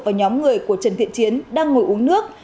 và nhóm người của trần thiện chiến đang ngồi uống nước